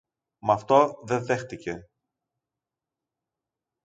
Μ' αυτό δε δέχθηκε.